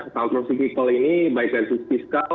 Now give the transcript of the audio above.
saldo fiskal ini baiknya fiskal